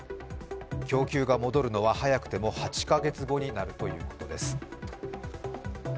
供給が戻るのは早くても８月後になるということです。